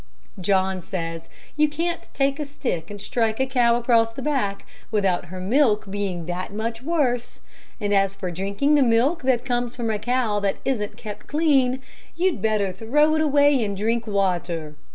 John says you can't take a stick and strike a cow across the back, without her milk being that much worse, and as for drinking the milk that comes from a cow that isn't kept clean, you'd better throw it away and drink water.